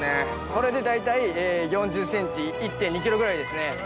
これで大体４０ｃｍ１．２ｋｇぐらいですね。